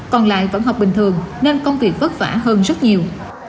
còn lại vẫn học bình thường nên công việc vất vả hơn rất nhiều